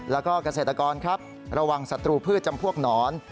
แล้วก็เกษตรกรระวังสตรูพืชจำพวกหนร